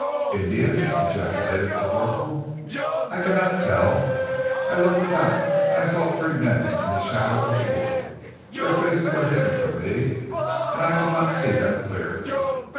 "Indians!" ejaculated the corporal. "I cannot tell. I looked about and I saw three men in the shadow of the wood. Their faces were hidden from me, and I could not see them clearly.